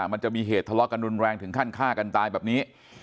มันจะมีเหตุทะเลาะกันรุนแรงถึงขั้นฆ่ากันตายแบบนี้